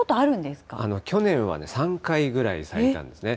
去年はね、３回ぐらい咲いたんですね。